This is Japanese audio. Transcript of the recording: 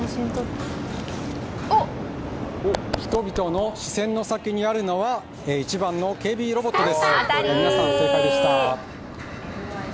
人々の視線の先にあるのは１番の警備ロボットということで皆さん、正解でした。